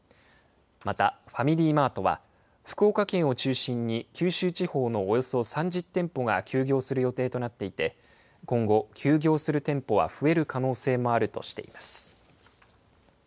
またファミリーマートは福岡県を中心に九州地方のおよそ３０店舗が休業する予定となっていて今後、休業する店舗は増える可能性もあるとしています。